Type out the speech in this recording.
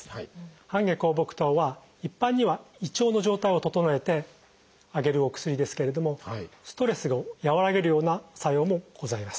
半夏厚朴湯は一般には胃腸の状態を整えてあげるお薬ですけれどもストレスを和らげるような作用もございます。